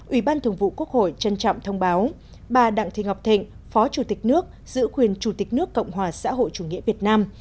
ủy ban thường vụ quốc hội trân trọng thông báo bà đặng thị ngọc thịnh phó chủ tịch nước giữ quyền chủ tịch nước cộng hòa xã hội chủ nghĩa việt nam